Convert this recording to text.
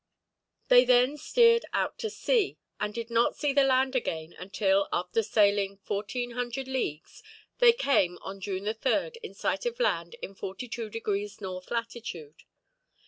They then steered out to sea, and did not see the land again until, after sailing 1400 leagues, they came, on June 3rd, in sight of land in 42 degrees north latitude.